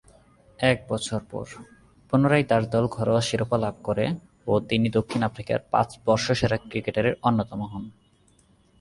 এক বছর পর, পুনরায় তার দল ঘরোয়া শিরোপা লাভ করে ও তিনি দক্ষিণ আফ্রিকার পাঁচ বর্ষসেরা ক্রিকেটারের অন্যতম হন।